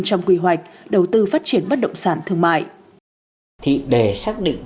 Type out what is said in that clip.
trong quy hoạch đầu tư phát triển bất động sản thương mại